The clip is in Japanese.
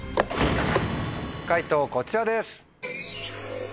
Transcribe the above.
解答こちらです。